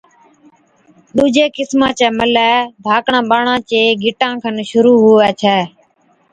ڏُوجي قِسما چَي ملَي ڌاڪڙان ٻاڙان چي گِٽان کن شرُوع هُوَي ڇَي،